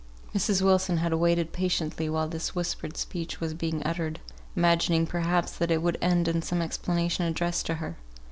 _] Mrs. Wilson had waited patiently while this whispered speech was being uttered, imagining, perhaps, that it would end in some explanation addressed to her.